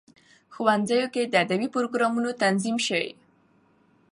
ښوونځیو کې دي ادبي پروګرامونه تنظیم سي.